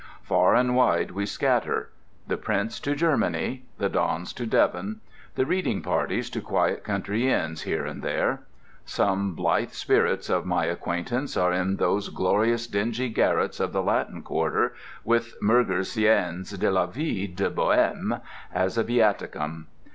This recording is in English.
Far and wide we scatter. The Prince to Germany—the dons to Devon—the reading parties to quiet country inns here and there. Some blithe spirits of my acquaintance are in those glorious dingy garrets of the Latin Quarter with Murger's "Scènes de la Vie de Bohème" as a viaticum.